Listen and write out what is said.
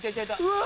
うわ！